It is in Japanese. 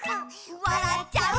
「わらっちゃう」